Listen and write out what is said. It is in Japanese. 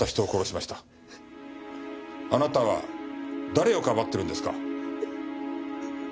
あなたは誰をかばってるんですか？